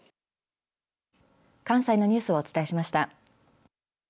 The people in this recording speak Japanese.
関西のニュースをお伝えしました。